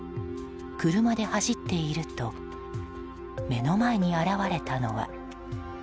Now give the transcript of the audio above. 車で走っていると目の前に現れたのは。